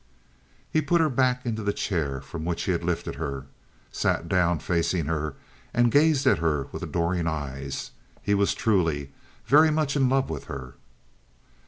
He put her back into the chair from which he had lifted her, sat down facing her, and gazed at her with adoring eyes. He was truly very much in love with her.